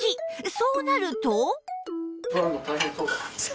そうなると